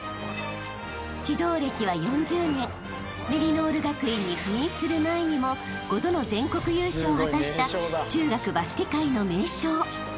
［メリノール学院に赴任する前にも５度の全国優勝を果たした中学バスケ界の名将］